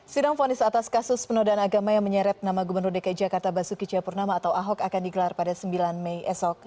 sidang fonis atas kasus penodaan agama yang menyeret nama gubernur dki jakarta basuki cahapurnama atau ahok akan digelar pada sembilan mei esok